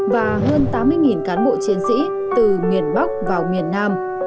và hơn tám mươi cán bộ chiến sĩ từ miền bắc vào miền nam